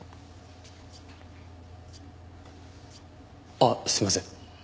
あっすいません。